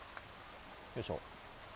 よいしょ。